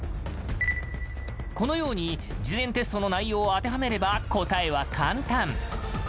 このように、事前テストの内容を当てはめれば答えは簡単。